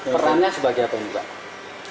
perannya sebagai apa mbak